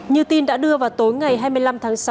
như tin đã đưa vào tối ngày hai mươi năm tháng sáu